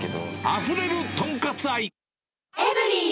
あふれるとんかつ愛。